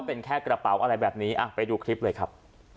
เป็นแค่กระเป๋าอะไรแบบนี้ไปดูคลิปเลยครับ